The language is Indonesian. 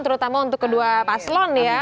terutama untuk kedua paslon ya